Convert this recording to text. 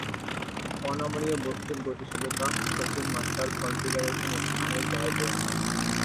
অনমনীয় বস্তুর গতিশীলতা সসীম মাত্রার কনফিগারেশন স্থানে জায়গা করে নেয়।